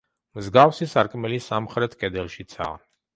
მსგავსი სარკმელი სამხრეთ კედელშიცაა.